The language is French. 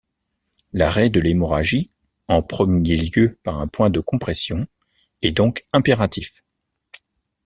L'arrêt de l'hémorragie, en premier lieu par un point de compression, est donc impératif.